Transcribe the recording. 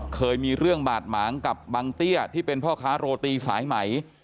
เคยมีเรื่องบาดหมางกับบังเตี้ยที่เป็นพ่อค้าโรตีสายไหม